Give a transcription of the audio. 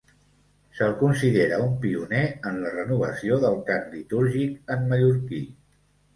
Se'l considera un pioner en la renovació del cant litúrgic en mallorquí.